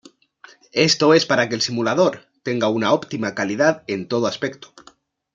Esto es para que el simulador, tenga una óptima calidad en todo aspecto